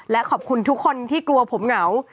และขอบคุณทุกคนที่กลัวผมเหงา